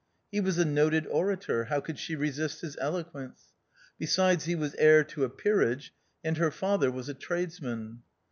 He was a noted orator, how could she resist his eloquence ? Besides, he was heir to a peerage, and her father was a trades man.